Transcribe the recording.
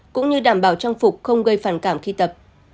cũng như đảm bảo trang phục không gây phản cảm khi tập